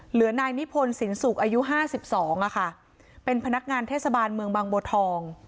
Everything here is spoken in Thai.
นายนิพนธ์สินสุกอายุห้าสิบสองอ่ะค่ะเป็นพนักงานเทศบาลเมืองบางบัวทอง